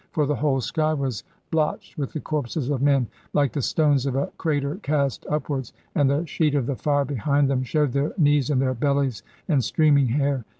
For the whole sky was blotched with the corpses of men, like the stones of a crater cast upwards; and the sheet of the fire behind them showed their knees and their bellies, and streaming hair.